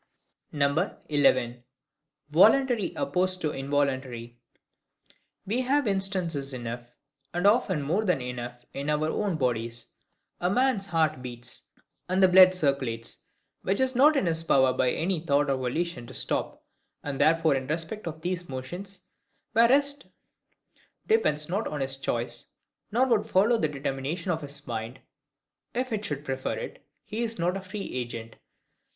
11. Voluntary opposed to involuntary. We have instances enough, and often more than enough, in our own bodies. A man's heart beats, and the blood circulates, which it is not in his power by any thought or volition to stop; and therefore in respect of these motions, where rest depends not on his choice, nor would follow the determination of his mind, if it should prefer it, he is not a free agent.